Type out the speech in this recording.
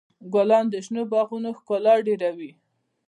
ګلان د شنو باغونو ښکلا ډېروي.